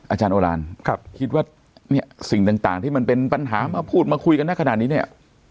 อาจารย์โอลานคิดว่าเนี่ยสิ่งต่างที่มันเป็นปัญหามาพูดมาคุยกันนะขนาดนี้เนี่ย